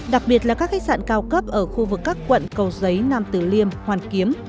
đặc biệt là các khách sạn cao cấp ở khu vực các quận cầu giấy nam tử liêm hoàn kiếm